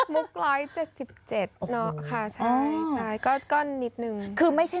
มุกร้อย๑๗๗เนาะค่ะใช่ชายก็นิดนึงค่ะ